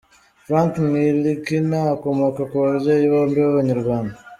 Frank Ntilikina akomoka ku babyeyi bombi b’Abanyarwanda.